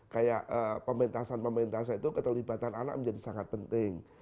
kayak pemerintah pemerintah itu keterlibatan anak menjadi sangat penting